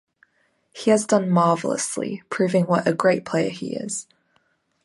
He has done marvellously, proving what a great player he is.